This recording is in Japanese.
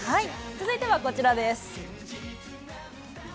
続いてはこちらです。